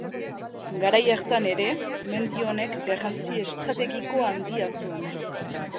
Garai hartan ere, mendi honek garrantzi estrategiko handia zuen.